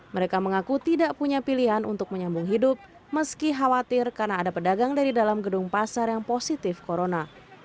mereka mengaku tidak punya pilihan untuk menyambung hidup meski khawatir karena ada pedagang dari dalam gedung pasar yang positif corona